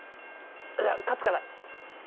じゃあカツから！